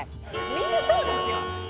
みんなそうですよ。